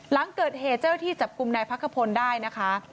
หลังเกิดเหตุเจ้าที่จับกลุ่มนายพักขพลได้นะคะ